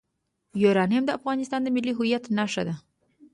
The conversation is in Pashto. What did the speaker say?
یورانیم د افغانستان د ملي هویت نښه ده.